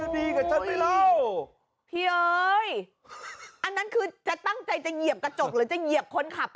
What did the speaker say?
พี่เย้พี่เย้อั้นนะคือกจะตั้งใจจะเหยียบกระจกหรือจะเหยียบคนขับก็แน่